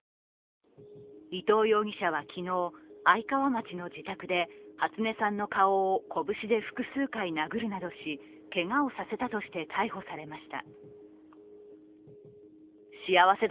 伊藤容疑者は昨日、愛川町の自宅で初音さんの顔を拳で複数回殴るなどし、けがをさせたとして逮捕されました。